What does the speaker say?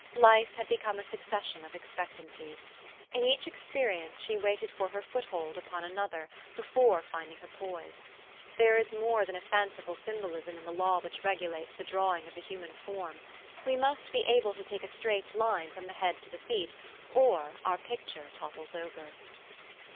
Life had become a succession of expectancies. In each experience she waited for her foothold upon another, before finding her poise. There is more than a fanciful symbolism in the law which regulates the drawing of the human form. We must be able to take a straight line from the head to the feet, or our picture topples over.